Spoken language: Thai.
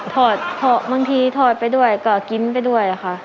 ถอดบางทีถอดไปด้วยก็กินไปด้วยค่ะ